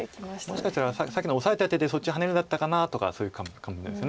もしかしたらさっきのオサえた手でそっちハネるんだったかなとかそういう感じかもしれないです。